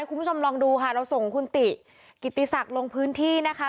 คุณผู้ชมลองดูค่ะเราส่งคุณติกิติศักดิ์ลงพื้นที่นะคะ